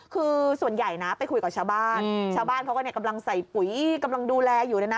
คือส่วนใหญ่นะไปคุยกับชาวบ้านชาวบ้านเขาก็กำลังใส่ปุ๋ยกำลังดูแลอยู่เลยนะ